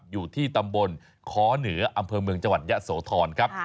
อยู่ที่ตำบลค้อเหนืออำเภอเมืองจังหวัดยะโสธรครับ